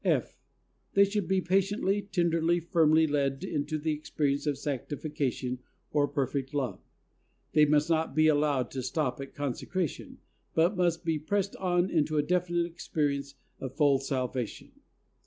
(f.) They should be patiently, tenderly, firmly led into the experience of sanctification or perfect love. They must not be allowed to stop at consecration, but must be pressed on into a definite experience of full salvation.